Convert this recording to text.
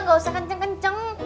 gak usah kenceng kenceng